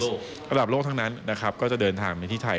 ระดับโลกทั้งนั้นนะครับก็จะเดินทางไปที่ไทย